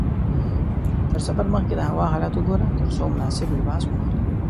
تر سفر مخکې د هوا حالت وګوره ترڅو مناسب لباس واخلې.